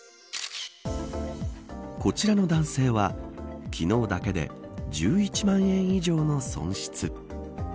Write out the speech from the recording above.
こちらの男性は昨日だけで１１万円以上の損失。